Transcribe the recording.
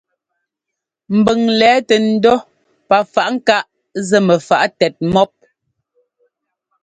Mbʉŋ lɛɛ tɛ ńdɔ́ pafaꞌŋkáꞌ zɛ mɛfaꞌ tɛt mɔ́p.